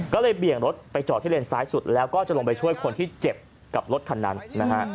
ก็เลยเบี่ยงรถไปจอดที่เลนซ้ายสุดแล้วก็จะลงไปช่วยคนที่เจ็บกับรถคันนั้นนะฮะ